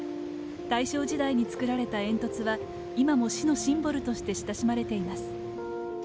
大正時代に造られた煙突は今も市のシンボルとして親しまれています。